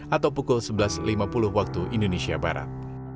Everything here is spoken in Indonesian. atau pukul sebelas lima puluh waktu indonesia barat